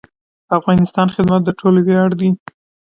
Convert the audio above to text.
د افغانستان خدمت د ټولو ویاړ دی